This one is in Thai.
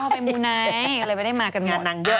อ๋อไปมูนัยเลยไม่ได้มากับงานนาง้า